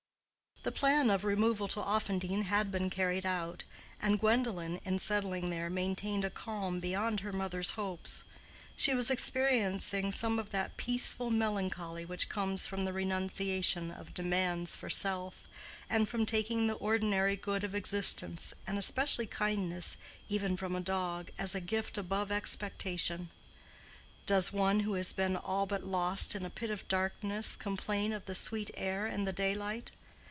The plan of removal to Offendene had been carried out; and Gwendolen, in settling there, maintained a calm beyond her mother's hopes. She was experiencing some of that peaceful melancholy which comes from the renunciation of demands for self, and from taking the ordinary good of existence, and especially kindness, even from a dog, as a gift above expectation. Does one who has been all but lost in a pit of darkness complain of the sweet air and the daylight?